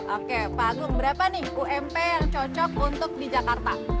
oke pak agung berapa nih ump yang cocok untuk di jakarta